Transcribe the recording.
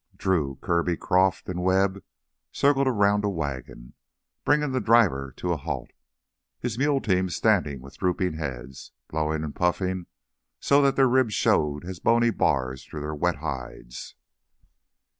Drew, Kirby, Croff, and Webb circled around a wagon, bringing the driver to a halt, his mule team standing with drooping heads, blowing and puffing so that their ribs showed as bony bars through their wet hides.